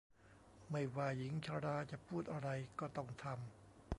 ไม่ว่าหญิงชราจะพูดอะไรก็ต้องทำ